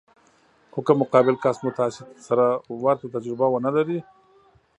خو که مقابل کس مو تاسې سره ورته تجربه ونه لري.